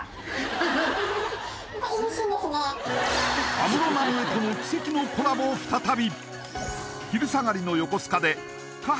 安室奈美恵との奇跡のコラボ再び！